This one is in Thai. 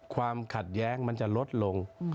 ความขัดแย้งมันจะลดลง